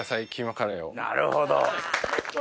なるほど。